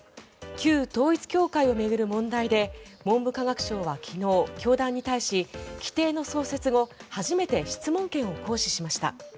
旧統一教会を巡る問題で文部科学省は昨日、教団に対し規定の創設後初めて質問権を行使しました。